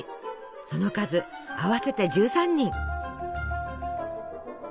その数合わせて１３人。